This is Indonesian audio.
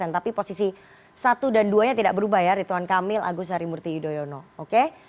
tapi posisi satu dan dua nya tidak berubah ya rituan kamil agus harimurti yudhoyono